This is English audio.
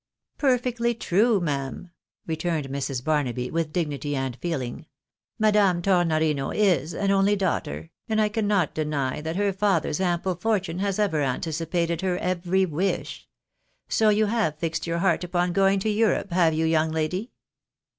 " Perfectly true, ma'am," returned Mrs. Barnaby, with dignity and feeling. "Madame Tornorino is an only daughter, and I cannot deny that her father's ample fortune has ever anticipated her every Avish. So you have fixed your heart upon going to Europe, have you, young lady